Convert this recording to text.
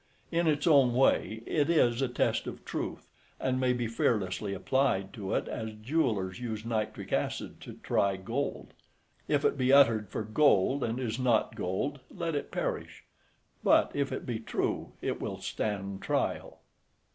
In its own way it is a test of truth, and may be fearlessly applied to it as jewellers use nitric acid to try gold. If it be uttered for gold and is not gold, let it perish; but if it be true, it will stand trial.